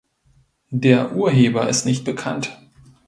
Der Urheber ist nicht bekannt.